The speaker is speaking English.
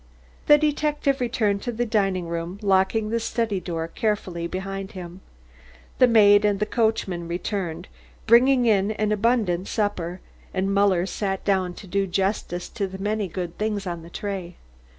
The detective returned to the dining room, locking the study door carefully behind him. The maid and the coachman returned, bringing in an abundant supper, and Muller sat down to do justice to the many good things on the tray.